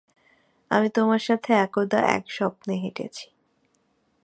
আমি তোমার সাথে একদা এক স্বপ্নে হেঁটেছি।